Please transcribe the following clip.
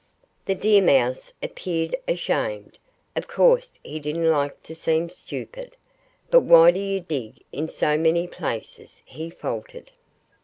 The deer mouse appeared ashamed. Of course he didn't like to seem stupid. "But why do you dig in so many places?" he faltered.